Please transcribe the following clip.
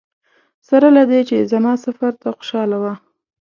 سره له دې چې زما سفر ته خوشاله وه.